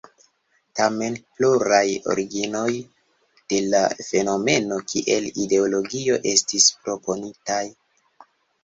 Tamen, pluraj originoj de la fenomeno kiel ideologio estis proponitaj.